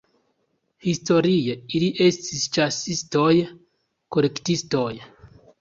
Historie ili estis ĉasistoj-kolektistoj.